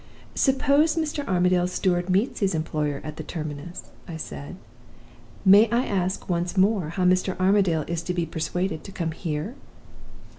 "'Suppose Mr. Armadale's steward meets his employer at the terminus,' I said. 'May I ask once more how Mr. Armadale is to be persuaded to come here?